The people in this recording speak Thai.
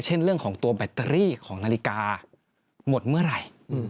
เรื่องของตัวแบตเตอรี่ของนาฬิกาหมดเมื่อไหร่